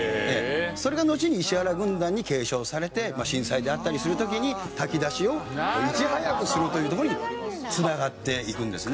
それがのちに石原軍団に継承されて震災であったりする時に炊き出しをいち早くするというところに繋がっていくんですね。